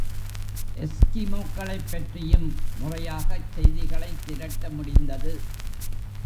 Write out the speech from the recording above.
எஸ்கிமோக்களைப் பற்றியும் முறையாகச் செய்திகளைத் திரட்ட முடிந்தது.